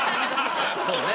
そうね。